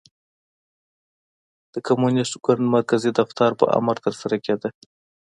د کمونېست ګوند مرکزي دفتر په امر ترسره کېده.